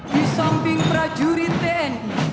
di samping prajurit tni